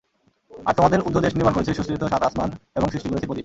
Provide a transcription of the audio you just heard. আর তোমাদের উর্ধদেশে নির্মাণ করেছি সুস্থিত সাত আসমান এবং সৃষ্টি করেছি প্রদীপ।